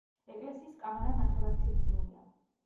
ეკლესიის კამარა ნახევარცილინდრულია.